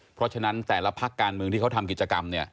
เพราะฉะนั้นแต่ละพักการเมืองที่เขาทำกิจกรรม